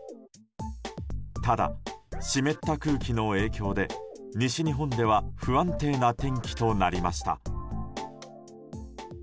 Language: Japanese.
ただ、湿った空気の影響で西日本では不安定な天気となりました。